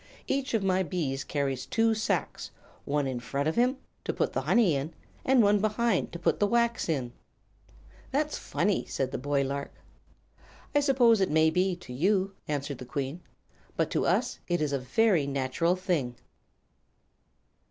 Each of my bees carries two sacks, one in front of him, to put the honey in, and one behind to put the wax in." "That's funny," said the boy lark. "I suppose it may be, to you," answered the Queen, "but to us it is a very natural thing."